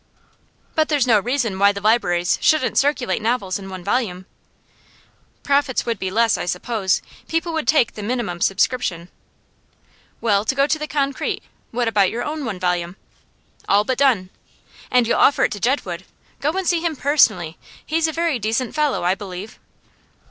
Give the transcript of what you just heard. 'But there's no reason why the libraries shouldn't circulate novels in one volume.' 'Profits would be less, I suppose. People would take the minimum subscription.' 'Well, to go to the concrete, what about your own one volume?' 'All but done.' 'And you'll offer it to Jedwood? Go and see him personally. He's a very decent fellow, I believe.